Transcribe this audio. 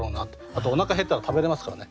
あとおなか減ったら食べれますからね。